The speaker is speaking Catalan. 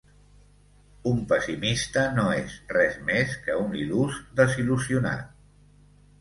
Un pessimista no és res més que un il·lús desil·lusionat.